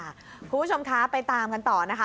คุณผู้ชมคะไปตามกันต่อนะคะ